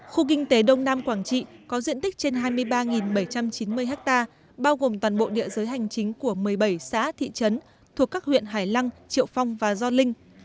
khu kinh tế đông nam quảng trị có diện tích trên hai mươi ba bảy trăm chín mươi ha bao gồm toàn bộ địa giới hành chính của một mươi bảy xã thị trấn thuộc các huyện hải lăng triệu phong và gio linh